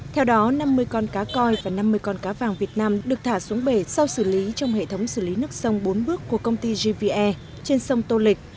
theo đó năm mươi con cá coi và năm mươi con cá vàng việt nam được thả xuống bể sau xử lý trong hệ thống xử lý nước sông bốn bước của công ty gve trên sông tô lịch